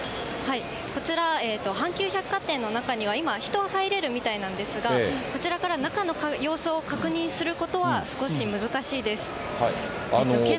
こちら、阪急百貨店の中には今、人は入れるみたいなんですが、こちらから中の様子を確認することは少し難しいです。